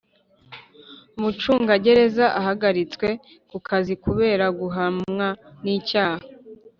Umucungagereza ahagaritswe ku kazi kubera guhamwa n’icyaha